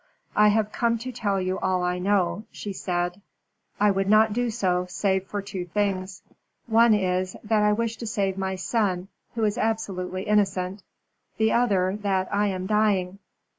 "I have come to tell you all I know," she said. "I would not do so, save for two things. One is, that I wish to save my son, who is absolutely innocent; the other, that I am dying."